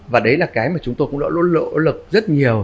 và đấy là cái mà chúng tôi cũng đã luôn lỗ lực rất nhiều